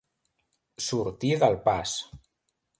Sortir del pas.